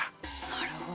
なるほど。